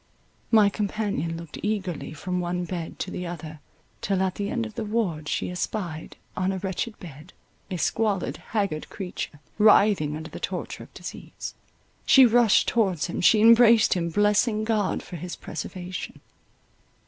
My companion looked eagerly from one bed to the other, till at the end of the ward she espied, on a wretched bed, a squalid, haggard creature, writhing under the torture of disease. She rushed towards him, she embraced him, blessing God for his preservation.